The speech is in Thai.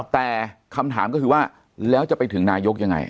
แต่คำถามก็คือว่าแล้วจะไปถึงนายกยังไง